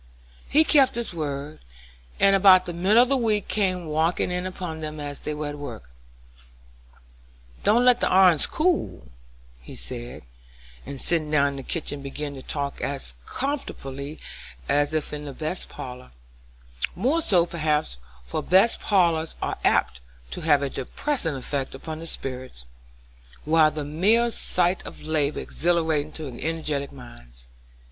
He kept his word, and about the middle of the week came walking in upon them as they were at work. "Don't let the irons cool," he said, and sitting down in the kitchen began to talk as comfortably as if in the best parlor; more so, perhaps, for best parlors are apt to have a depressing effect upon the spirits, while the mere sight of labor is exhilarating to energetic minds.